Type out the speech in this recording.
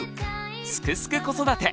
「すくすく子育て」